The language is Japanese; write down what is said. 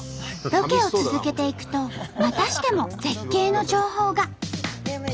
ロケを続けていくとまたしても絶景の情報が。